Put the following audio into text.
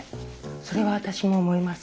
それは私も思います。